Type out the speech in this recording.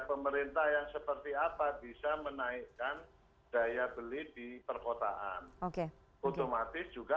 pemerintah yang seperti apa bisa menaikkan daya beli di perkotaan oke otomatis juga